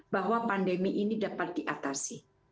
bahwa pandemi ini dapat diatasi